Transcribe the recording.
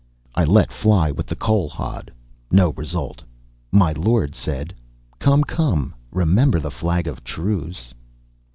I let fly with the coal hod. No result. My lord said: "Come, come! Remember the flag of truce!"